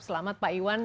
selamat pak iwan